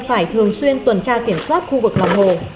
phải thường xuyên tuần tra kiểm soát khu vực lòng hồ